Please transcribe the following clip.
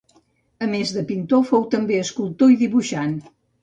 A més de pintor fou també escultor i dibuixant.